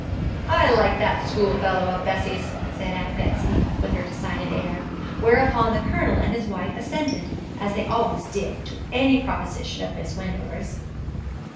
'I like that schoolfellow of Bessie's,' said Aunt Betsy, with her decided air, whereupon the Colonel and his wife assented, as they always did to any proposition of Miss Wendover's.